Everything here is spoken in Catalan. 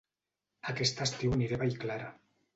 Aquest estiu aniré a Vallclara